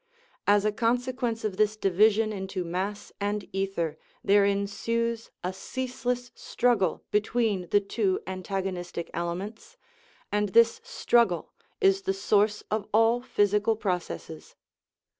As a consequence of this division into mass and ether there ensues a ceaseless struggle between the two antago nistic elements, and this struggle is the source of all physical processes.